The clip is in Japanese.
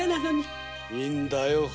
いいんだ。